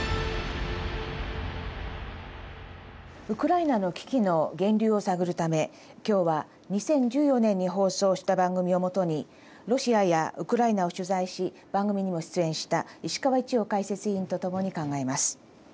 ウクライナの危機の源流を探るため今日は２０１４年に放送した番組をもとにロシアやウクライナを取材し番組にも出演した石川一洋解説委員と共に考えます。